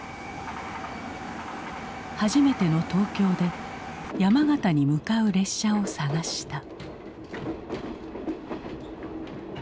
初めての東京で山形に向かう列車を探した。